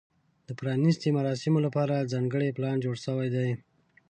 د پرانیستې مراسمو لپاره ځانګړی پلان جوړ شوی دی.